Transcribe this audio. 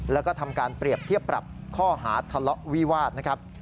แล้วก็ทำการเปรียบเทียบปรับข้อหาทะเลาะวิวาสนะครับ